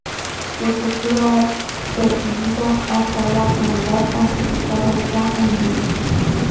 Su estructura ha pervivido hasta la actualidad, aunque su estado está en ruinas.